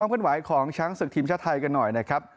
ขึ้นไหวของช้างศึกทีมชาติไทยกันหน่อยนะครับ